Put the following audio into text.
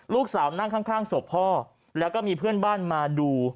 ลูกสาวนั่งข้างศพพ่อแล้วก็มีเพื่อนบ้านมาดู